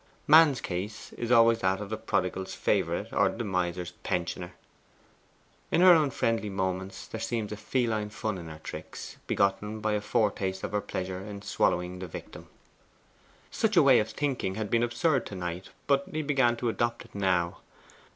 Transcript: Man's case is always that of the prodigal's favourite or the miser's pensioner. In her unfriendly moments there seems a feline fun in her tricks, begotten by a foretaste of her pleasure in swallowing the victim. Such a way of thinking had been absurd to Knight, but he began to adopt it now.